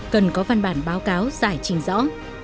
cần có văn bản báo cáo giải trình rõ